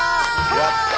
やった！